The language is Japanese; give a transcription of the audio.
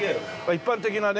一般的なね。